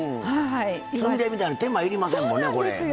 つみれみたいな手間いりませんもんね